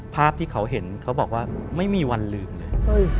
ภาพที่เขาเห็นเขาบอกว่าไม่มีวันลืมเลย